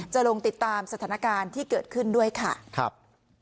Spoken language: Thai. จะลงติดตามสถานการณ์ที่เกิดขึ้นด้วยค่ะครับ